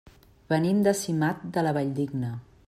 Venim de Simat de la Valldigna.